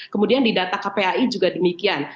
kemudian di data kpai juga demikian